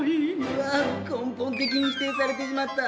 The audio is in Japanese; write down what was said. うわっ根本的に否定されてしまった。